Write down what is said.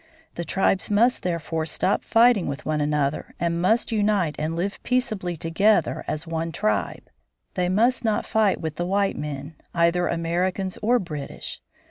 The tribes must therefore stop fighting with one another and must unite and live peaceably together as one tribe. They must not fight with the white men, either Americans or British.